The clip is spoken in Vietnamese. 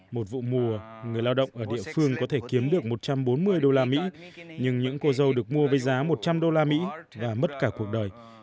một vụ mùa người lao động ở địa phương có thể kiếm được một trăm bốn mươi đô la mỹ nhưng những cô dâu được mua với giá một trăm linh đô la mỹ đã mất cả cuộc đời